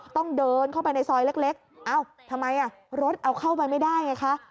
ต้องเดินเข้าไปในซอยเล็กเอ้าทำไมรถเอาเข้าไปไม่ได้ไงคะ